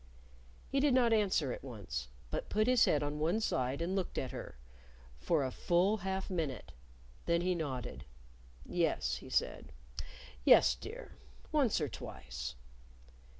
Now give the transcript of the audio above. He did not answer at once, but put his head on one side and looked at her for a full half minute. Then he nodded. "Yes," he said; "yes, dear, once or twice."